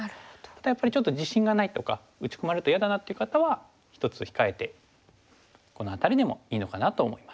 やっぱりちょっと自信がないとか打ち込まれると嫌だなって方は１つ控えてこの辺りでもいいのかなと思います。